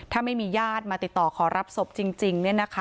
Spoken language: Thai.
ถ้าไม่มีญาติมาติดต่อขอรับศพจริง